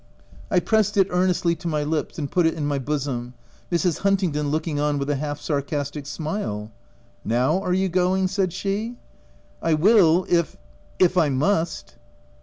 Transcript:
I pressed it earnestly to my lips, and put it in my bosom, Mrs. Huntingdon looking on with a half sarcastic smile. " Now, are you going ?" said she. " I will if— if I must."